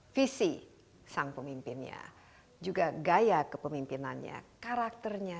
visi sang pemimpinnya juga gaya kepemimpinannya karakternya